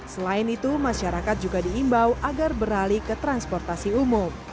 selain itu masyarakat juga diimbau agar beralih ke transportasi umum